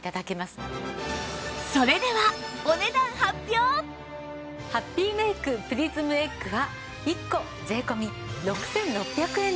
それではハッピーメイクプリズムエッグは１個税込６６００円です。